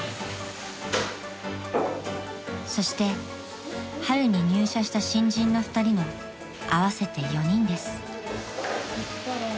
［そして春に入社した新人の２人の合わせて４人です］